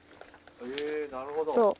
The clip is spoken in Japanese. なるほど。